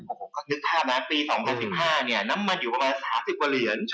ก็นึกครับนะปี๒๐๑๕น้ำมันอยู่ประมาณ๓๐กว่าเหรียญ